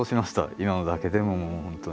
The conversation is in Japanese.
今のだけでももう本当に。